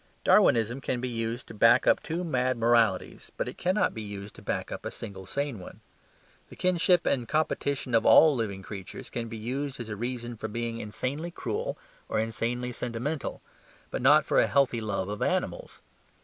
Darwinism can be used to back up two mad moralities, but it cannot be used to back up a single sane one. The kinship and competition of all living creatures can be used as a reason for being insanely cruel or insanely sentimental; but not for a healthy love of animals.